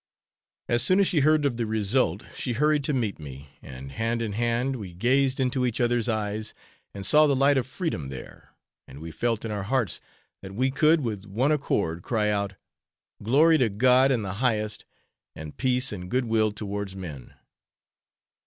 As soon as she heard of the result, she hurried to meet me, and hand in hand we gazed into each other's eyes and saw the light of freedom there, and we felt in our hearts that we could with one accord cry out: "Glory to God in the highest, and peace and good will towards men."